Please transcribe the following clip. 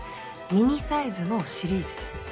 ミニサイズのシリーズです。